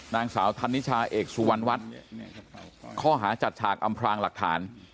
นางสาวธนิชาเอกสุวรรณวัฒน์ข้อหาจัดฉากอำพลางหลักฐาน